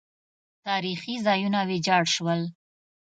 تاریخي ځایونه ویجاړ شول